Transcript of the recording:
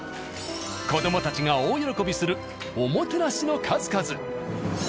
子どもたちが大喜びするおもてなしの数々。